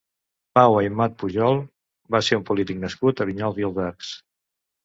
Pau Aymat Pujol va ser un polític nascut a Vinyols i els Arcs.